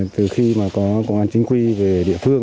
từ khi mà có công an chính quy về địa phương